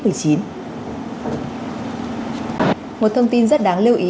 một thông tin rất đáng lưu ý